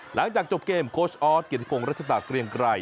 หลังจากจบเกมโค้ชออสเกียรติพงศ์รัชดาเกรียงไกร